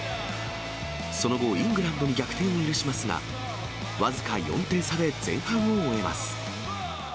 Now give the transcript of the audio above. その後、イングランドに逆転を許しますが、僅か４点差で前半を終えます。